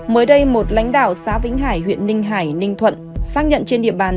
mới đây một lãnh đạo xã vĩnh hải huyện ninh hải ninh thuận xác nhận trên địa bàn